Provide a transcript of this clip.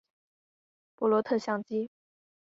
罗伯特像机。